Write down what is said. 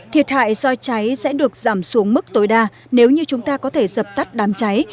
thiệt hại do cháy sẽ được giảm xuống mức tối đa nếu như chúng ta có thể dập tắt đám cháy